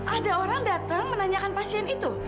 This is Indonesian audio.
ada orang datang menanyakan pasien itu